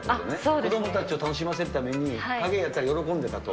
子どもたちを楽しませるために、影絵をやったら喜んでたと。